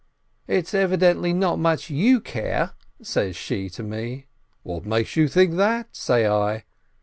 "It's evidently not much you care ?" says she to me. "What makes you think that?" say I.